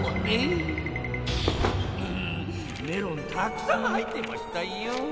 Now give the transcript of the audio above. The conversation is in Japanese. メロンたくさん入ってましたよ。